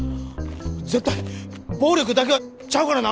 絶対暴力だけはちゃうからな！